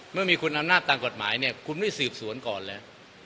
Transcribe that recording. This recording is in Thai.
เมื่อมีคุณอำนาจตามกฎหมายเนี่ยคุณไม่สืบสวนก่อนเลย